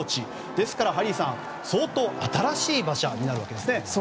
ですからハリーさん、相当新しい馬車になるわけですね。